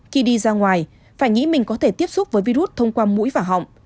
khi đi ra ngoài phải nghĩ mình có thể tiếp xúc với virus thông qua mũi và họng